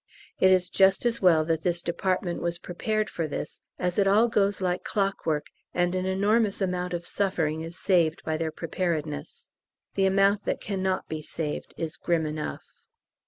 It is just as well that this department was prepared for this, as it all goes like clockwork and an enormous amount of suffering is saved by their preparedness. The amount that cannot be saved is grim enough.